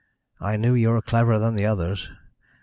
I knew you were cleverer than the others.